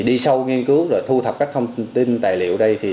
đi sâu nghiên cứu thu thập các thông tin tài liệu đây